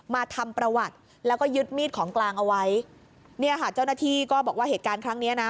มาทำประวัติแล้วก็ยึดมีดของกลางเอาไว้เนี่ยค่ะเจ้าหน้าที่ก็บอกว่าเหตุการณ์ครั้งเนี้ยนะ